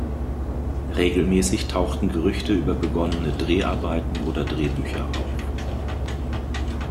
Regelmäßig tauchten Gerüchte über begonnene Dreharbeiten oder Drehbücher auf.